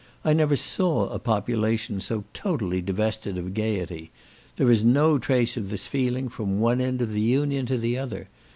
I never saw a population so totally divested of gaiety; there is no trace of this feeling from one end of the Union to the other.